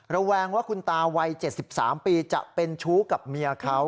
แวงว่าคุณตาวัย๗๓ปีจะเป็นชู้กับเมียเขา